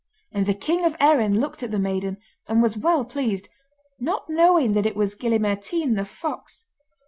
And the king of Erin looked at the maiden, and was well pleased, not knowing that it was Gille Mairtean the fox.